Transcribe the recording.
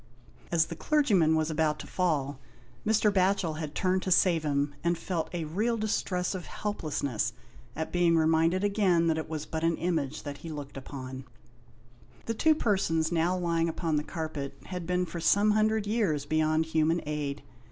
As the clergyman was about to fall, Mr. Batchel had turned to save him, and felt a real distress of helplessness at being reminded again that it was but an image that he had looked upon. The two persons now lying upon the carpet had been for some hundred years beyond human aid.